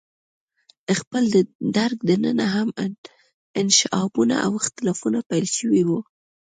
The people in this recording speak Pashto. خپله د درګ دننه هم انشعابونه او اختلافونه پیل شوي وو.